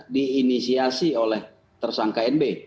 diinisiasi oleh tersangka nb